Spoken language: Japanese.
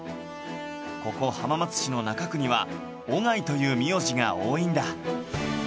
ここ浜松市の中区には小粥という名字が多いんだ